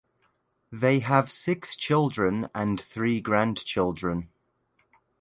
They have six children and three grandchildren.